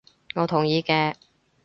我同意嘅